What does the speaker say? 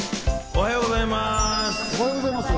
おはようございます。